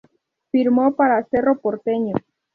Firmó para Cerro Porteño.